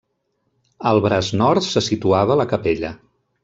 Al braç nord se situava la capella.